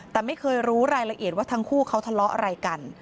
แต่ไม่เคยรู้รายละเอียดว่าทั้งคู่เขาทะเลาะอะไรกัน